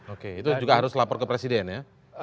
oke itu juga harus lapor ke presiden ya